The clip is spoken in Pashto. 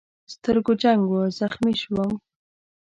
د سترګو جنګ و، زخمي شوم.